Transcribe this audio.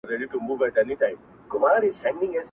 وایم بیا به ګوندي راسي!.